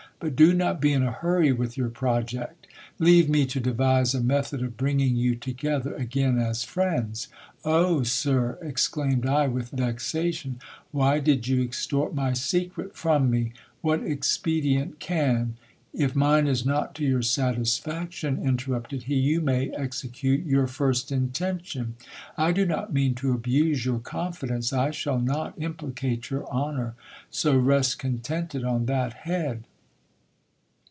But do not be in a hurry with your project. Leave me to devise a method of bringing you together again as friends. Oh \ sir, exclaimed I with vexation, why did you extort my secret from me? What HISTORY OF DON POMPEYO DE CASTRO. 99 expedient can If mine is not to your satisfaction, interrupted he, you may execute your first intention. I do not mean to abuse your confidence. I shall not implicate your honour ; so rest contented on that head.